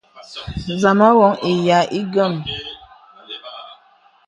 Zàmā wōŋ ìya ìguæm.